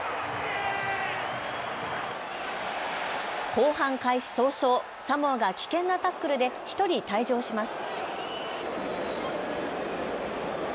後半開始早々、サモアが危険なタックルで１人退場します。